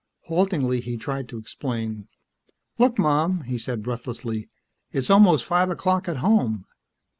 Haltingly, he tried to explain. "Look, Mom," he said breathlessly. "It's almost five o'clock at home.